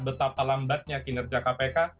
betapa lambatnya kinerja kpk